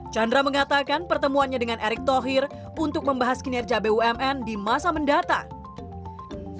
chandra mengatakan pertemuannya dengan erick thohir untuk membahas kinerja bumn di masa mendatang